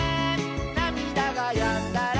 「なみだがやんだら」